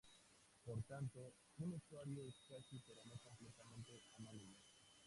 Por tanto, un usuario es casi pero no completamente anónimo.